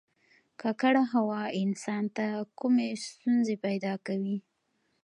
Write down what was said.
ککړه هوا انسان ته کومې ستونزې پیدا کوي